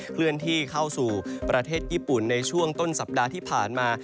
เคลื่อนที่เข้าสู่ประเทศญี่ปุ่นในช่วงต้นสัปดาห์ที่ผ่านมา